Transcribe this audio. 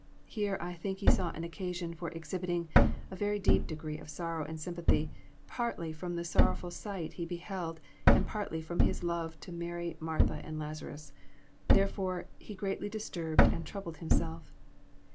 Here I think He saw an occasion for exhibiting a very deep degree of sorrow and sympathy, partly from the sorrowful sight He beheld, and partly ft*om His love to Mary, Martha, and Lazarus. Therefore He greatly disturbed and " troubled Himself."